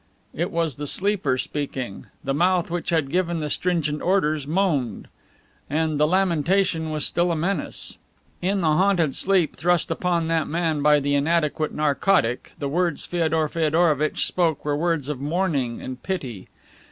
It was the sleeper speaking. The mouth which had given the stringent orders moaned. And the lamentation was still a menace. In the haunted sleep thrust upon that man by the inadequate narcotic the words Feodor Feodorovitch spoke were words of mourning and pity.